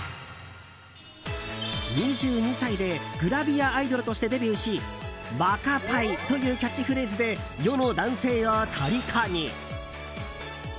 ２２歳でグラビアアイドルとしてデビューしワカパイというキャッチフレーズで世の男性をとりこに。